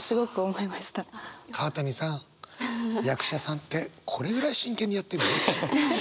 川谷さん役者さんってこれぐらい真剣にやってる。